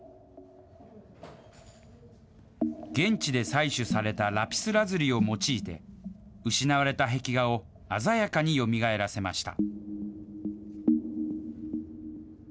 現地で採取されたラピスラズリを用いて、失われた壁画を鮮やかによみがえらせました。